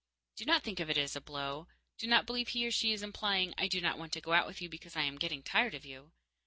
Do not think of it as a blow; do not believe he or she is implying "I do not want to go out with you because I am getting tired of you."